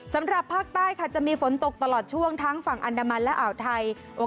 สำหรับภาคใต้ค่ะจะมีฝนตกตลอดช่วงทั้งฝั่งอันดามันและอ่าวไทย